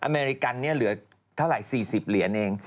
อเมริกันเนี่ยเหลือเท่าไหร่๔๐เหรียญเอง